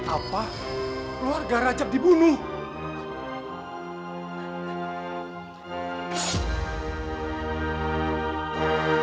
apa keluarga rajab dibunuh